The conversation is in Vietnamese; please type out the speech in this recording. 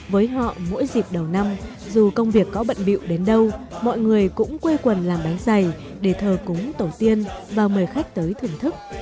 với họ mỗi dịp đầu năm dù công việc có bận biệu đến đâu mọi người cũng quê quần làm bánh dày để thờ cúng tổ tiên và mời khách tới thưởng thức